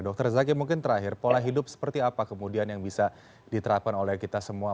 dr zaki mungkin terakhir pola hidup seperti apa kemudian yang bisa diterapkan oleh kita semua